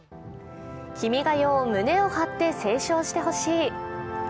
「君が代」を胸を張って斉唱してほしい。